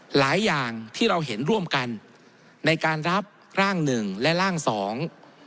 หลายอย่างที่เราเห็นร่วมกันในการรับร่างหนึ่งและร่างสอง